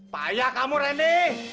payah kamu reni